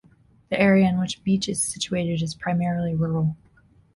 The area in which Beech is situated is primarily rural.